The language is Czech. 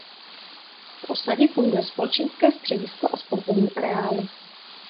V osadě funguje společenské středisko a sportovní areály.